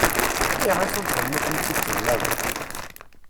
Ayɣer i tunfeḍ makken i t-id-temlaleḍ?